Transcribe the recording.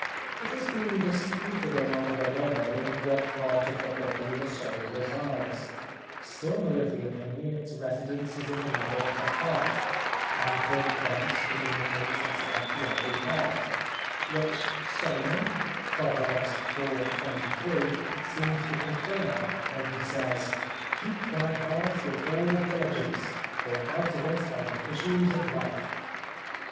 It has been disputed among the learned in what part of the body the soul resides; some are of opinion its residence is in the middle of the heart, and from thence communicates itself to every part, which Solomon (Prov. iv. 23) seems to confirm when he says: "Keep thy heart with all diligence, for out of it are the issues of life."